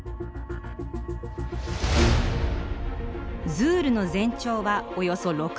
ズールの全長はおよそ６メートル。